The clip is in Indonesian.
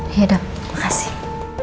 ya dok makasih